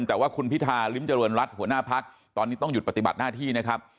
แต่ว่าคุณพิธาริมเจริญรัฐหัวหน้าพักตอนนี้ต้องหยุดปฏิบัติหน้าที่นะครับ